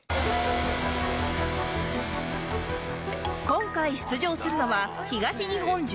今回出場するのは東日本柔術選手権